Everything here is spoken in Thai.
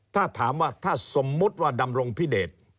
ถ้าถามว่าถ้าสมมุติว่าดำรงพิเดช